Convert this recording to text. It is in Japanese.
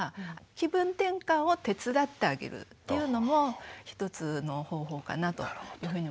気分転換を手伝ってあげるっていうのも一つの方法かなというふうに思うんですね。